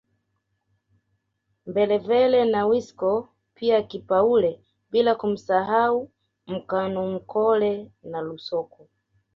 Mbelevele na Wisiko pia Kipaule bila kumsahau Mkanumkole na Lusoko